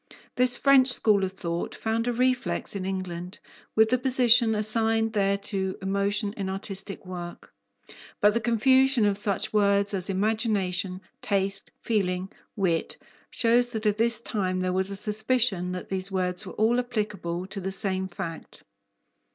This French school of thought found a reflex in England with the position assigned there to emotion in artistic work. But the confusion of such words as imagination, taste, feeling, wit, shows that at this time there was a suspicion that these words were all applicable to the same fact.